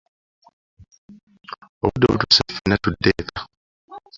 Obudde butuuse ffenna tudde eka.